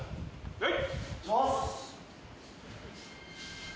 はい！